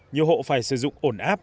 nhiều hộ phải sử dụng ổn áp